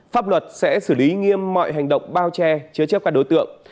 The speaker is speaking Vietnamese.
pháp luật sẽ xử lý nghiêm mọi hành động bao che chứa chấp các đối tượng